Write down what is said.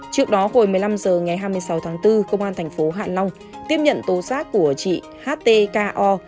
trước đó hồi một mươi năm h ngày hai mươi sáu tháng bốn công an thành phố hạ long tiếp nhận tố giác của chị htko